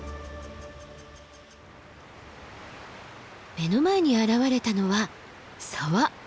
目の前に現れたのは沢。